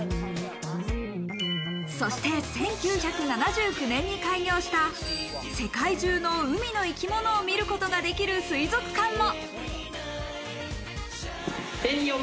そして１９７９年に開業した世界中の海の生き物を見ることができる水族館も。